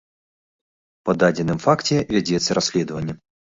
Па дадзеным факце вядзецца расследаванне.